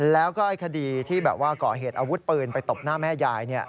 แล้วก็คดีที่แบบว่าก่อเหตุอาวุธปืนไปตบหน้าแม่ยาย